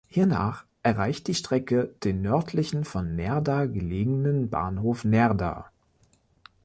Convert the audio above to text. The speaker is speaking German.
Hiernach erreicht die Strecke den nördlich von Neerdar gelegenen „Bahnhof Neerdar“.